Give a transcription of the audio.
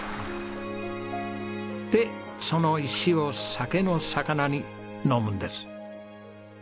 でその石を酒のさかなに飲むんです。